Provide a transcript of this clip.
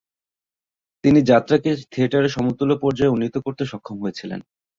তিনি যাত্রাকে থিয়েটারের সমতুল্য পর্যায়ে উন্নীত করতে সক্ষম হয়েছিলেন।